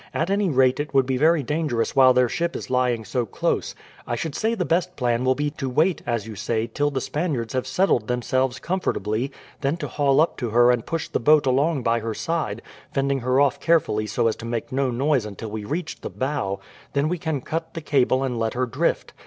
"At any rate it would be very dangerous while their ship is lying so close. I should say the best plan will be to wait, as you say, till the Spaniards have settled themselves comfortably, then to haul up to her and push the boat along by her side, fending her off carefully so as to make no noise until we reach the bow, then we can cut the cable and let her drift.